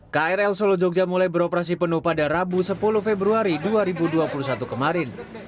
krl solo jogja mulai beroperasi penuh pada rabu sepuluh februari dua ribu dua puluh satu kemarin